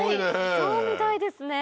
そうみたいですね。